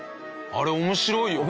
あれ面白いよね。